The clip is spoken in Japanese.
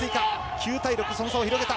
９対６、その差を広げた。